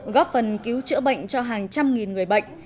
góp phần cứu chữa bệnh cho hàng trăm nghìn người bệnh